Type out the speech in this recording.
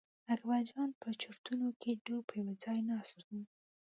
اکبرجان په چورتونو کې ډوب په یوه ځای ناست و.